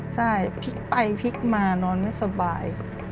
ใช่พลิกไปพลิกมานอนไม่สบาย